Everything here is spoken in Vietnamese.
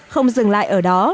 không dừng lại ở đó